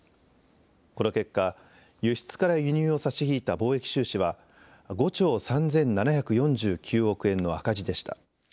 この結果、輸出から輸入を差し引いた貿易収支は５兆３７４９億円の赤字でした。